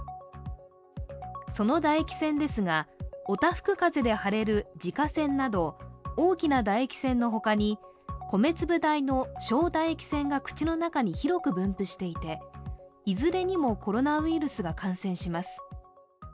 その唾液腺ですが、おたふく風邪で腫れる耳下腺など大きな唾液腺のほかに、米粒大の小唾液腺が口の中に広く分布していて、いずれにもコロナウイルスが感染します。